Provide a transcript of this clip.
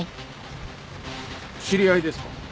知り合いですか？